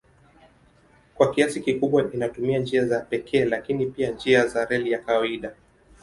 Kwa kiasi kikubwa inatumia njia za pekee lakini pia njia za reli ya kawaida.